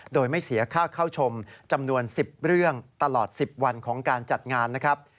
โดยไม่เสียค่าเข้าชมจำนวน๑๐เรื่องตลอด๑๐วันของการจัดงานนะครับ